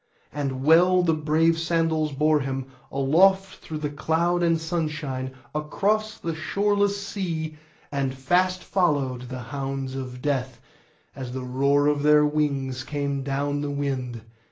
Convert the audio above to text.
And well the brave sandals bore him, aloft through cloud and sunshine, across the shoreless sea; and fast followed the hounds of Death, as the roar of their wings came down the wind.